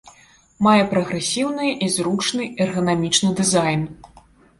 Мае прагрэсіўны і зручны эрганамічны дызайн.